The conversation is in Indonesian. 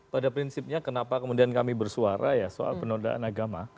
pada prinsipnya kenapa kemudian kami bersuara ya soal penodaan agama